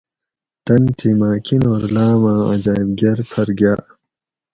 تن تھی مۤہ کینور لاۤماۤں عجایٔب گھر پھر گاۤ